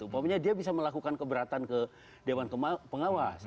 pokoknya dia bisa melakukan keberatan ke dewan pengawas